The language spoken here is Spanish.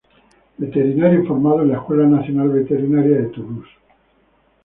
Veterinario formado en la Escuela nacional veterinaria de Toulouse.